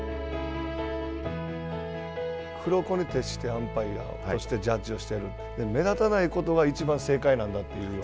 黒子に徹して、アンパイアとしてジャッジをしている、目立たないことがいちばん正解なんだというような。